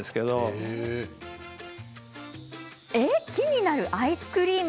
木になるアイスクリーム